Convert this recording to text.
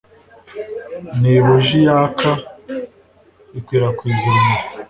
ni buji yaka, ikwirakwiza urumuri